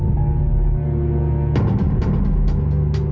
jadi cuma satu sesik hidup sudah